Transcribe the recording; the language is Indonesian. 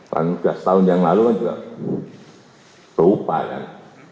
kan sudah setahun yang lalu kan juga rupa kan